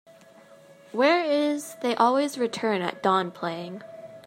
Where is They Always Return at Dawn playing